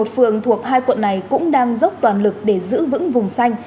một mươi một phường thuộc hai quận này cũng đang dốc toàn lực để giữ vững vùng xanh